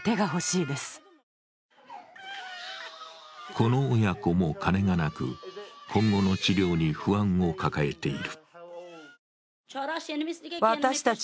この親子も金がなく、今後の治療に不安を抱えている。